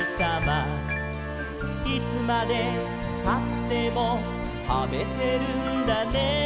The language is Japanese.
「いつまでたっても食べてるんだね」